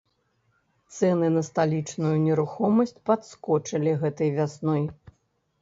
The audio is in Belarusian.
Цэны на сталічную нерухомасць падскочылі гэтай вясной.